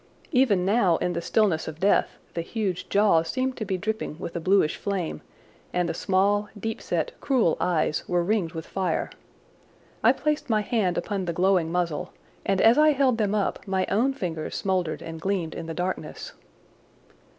Even now in the stillness of death, the huge jaws seemed to be dripping with a bluish flame and the small, deep set, cruel eyes were ringed with fire. I placed my hand upon the glowing muzzle, and as I held them up my own fingers smouldered and gleamed in the darkness.